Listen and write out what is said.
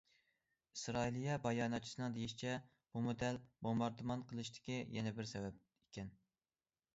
ئىسرائىلىيە باياناتچىسىنىڭ دېيىشىچە، بۇمۇ دەل بومباردىمان قىلىشتىكى يەنە بىر سەۋەب ئىكەن.